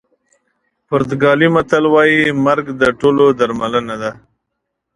پرتګالي متل وایي مرګ د ټولو درملنه ده.